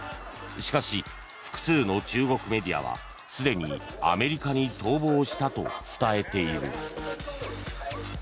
しかし、複数の中国メディアはすでにアメリカに逃亡したと伝えている。